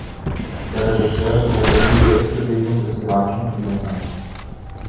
Der Regisseur gehört der New-Wave-Bewegung des iranischen Kinos an.